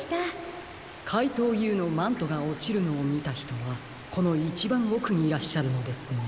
かいとうＵのマントがおちるのをみたひとはこのいちばんおくにいらっしゃるのですね？